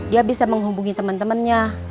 dia bisa menghubungi temen temennya